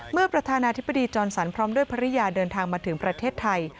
ประธานาธิบดีจรสันพร้อมด้วยภรรยาเดินทางมาถึงประเทศไทย